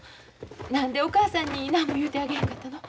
何でお母さんに何も言うてあげへんかったの？